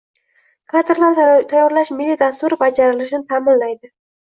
Kadrlar tayyorlash milliy dasturi bajarilishini ta’minlaydi;